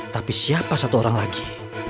tapi siapa satu orang lagi